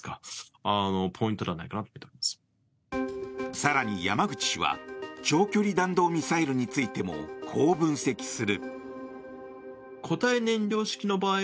更に、山口氏は長距離弾道ミサイルについてもこう分析する。